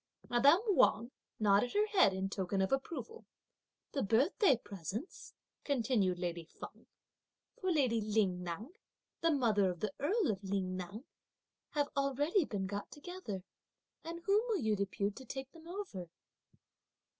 Madame Wang nodded her head in token of approval. "The birthday presents," continued lady Feng, "for lady Ling Ngan, the mother of the Earl of Ling Ngan, have already been got together, and whom will you depute to take them over?"